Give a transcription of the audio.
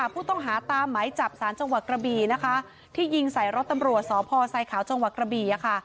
ผู้ต้องหาตามไหมจับสารจังหวัดกระบีนะคะที่ยิงใส่รถตำรวจสพไซขาวจังหวัดกระบี่ค่ะ